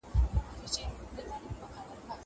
زه به سبا سندري اورم وم!